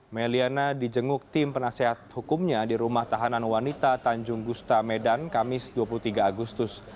meliana dijenguk tim penasehat hukumnya di rumah tahanan wanita tanjung gustamedan kamis dua puluh tiga agustus